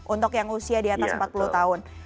untuk yang usia di atas empat puluh tahun